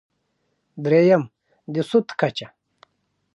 درېیم: د سود کچه.